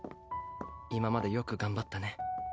今までよく頑張ったね。